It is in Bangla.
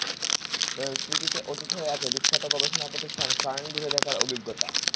তবে স্মৃতিতে অটুট হয়ে আছে বিখ্যাত গবেষণা প্রতিষ্ঠান সার্ন ঘুরে দেখার অভিজ্ঞতা।